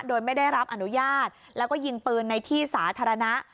โดยไม่ได้รับอนุญาตแล้วก็ยิงปืนในที่สาธารณะ